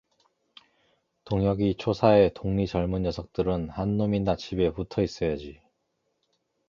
동혁이 초사에 동리 젊은 녀석들은 한 놈이나 집에 붙어 있어야지.